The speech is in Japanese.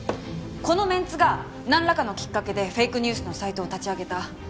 このメンツがなんらかのきっかけでフェイクニュースのサイトを立ち上げた。